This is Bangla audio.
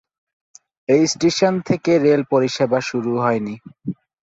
এই স্টেশন থেকে রেল পরিষেবা শুরু হয়নি।